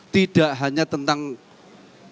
tidak hanya tentang konsultif carlantas